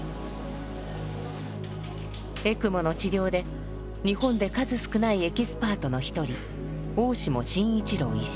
エクモの治療で日本で数少ないエキスパートの一人大下慎一郎医師。